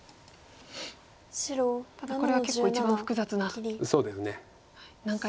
ただこれは結構一番複雑な「南海」